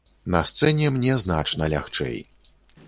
На сцэне мне значна лягчэй.